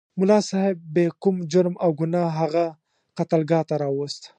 ملا صاحب بې کوم جرم او ګناه هغه قتلګاه ته راوست.